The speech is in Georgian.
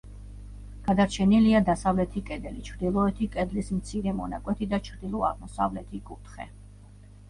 გადარჩენილია დასავლეთი კედელი, ჩრდილოეთი კედლის მცირე მონაკვეთი და ჩრდილო-აღმოსავლეთი კუთხე.